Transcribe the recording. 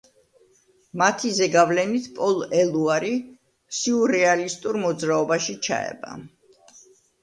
მათი ზეგავლენით პოლ ელუარი სიურრეალისტურ მოძრაობაში ჩაება.